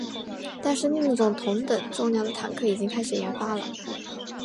但是另一种同等重量的坦克已经开始研发了。